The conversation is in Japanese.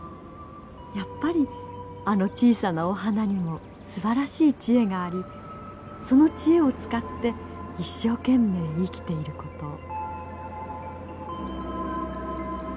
やっぱりあの小さなお花にもすばらしい知恵がありその知恵を使って一生懸命生きていることを。